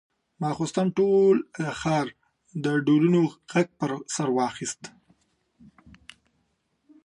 ماخستن ټول ښار د ډولونو غږ پر سر واخيست.